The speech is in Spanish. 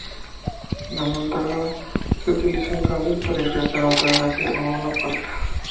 La mandorla se utiliza entonces para expresar un pasaje o una puerta.